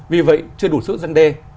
vì vậy chưa đủ sức răn đe